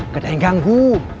gak ada yang ganggu